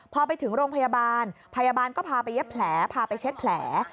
พอไปถึงโรงพยาบาลพยาบาลก็พาไปเย็บแผลพาไปเช็ดแผล